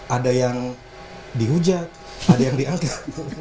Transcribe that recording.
ada yang dihujat ada yang diangkat